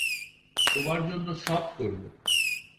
তোমার জন্য সব করব।